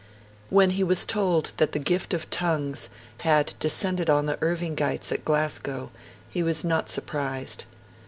When he was told that the gift of tongues had descended on the Irvingites at Glasgow, he was not surprised.